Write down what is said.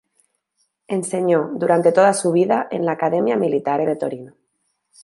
Enseñó durante toda su vida en la "Accademia Militare de Torino".